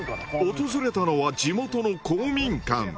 訪れたのは地元の公民館。